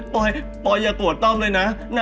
ปอยปอยอย่ากลัวต้องเลยนะ